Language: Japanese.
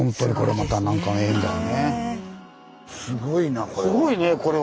すごいなこれは。